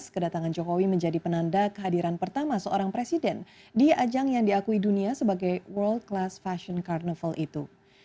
kedatangan jokowi menjadi penanda kehadiran pertama seorang presiden di ajang yang diakui dunia sebagai world class fashion carnaval itu